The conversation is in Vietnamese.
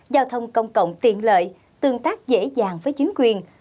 giao thông công cộng tiện lợi tương tác dễ dàng với chính quyền